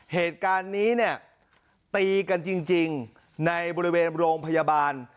เหตุการณ์นี้เนี่ยตีกันจริงในบริเวณโรงพยาบาล